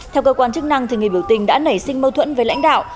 theo cơ quan chức năng người biểu tình đã nảy sinh mâu thuẫn với lãnh đạo